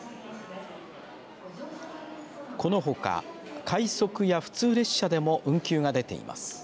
このほか快速や普通列車でも運休が出ています。